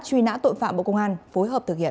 truy nã tội phạm bộ công an phối hợp thực hiện